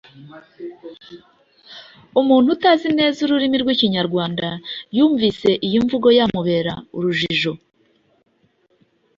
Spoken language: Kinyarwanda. Umuntu utazi neza ururimi rw’Ikinyarwanda yumvise iyi mvugo yamubera urujijo